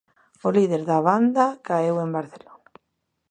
O líder da banda caeu en Barcelona.